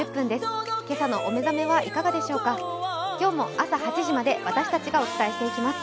朝８時まで私たちがお伝えしていきます。